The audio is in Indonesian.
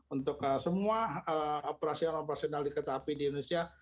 untuk semua operasional operasional di kereta api di indonesia